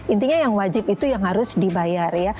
intinya yang wajib itu yang harus dibayar ya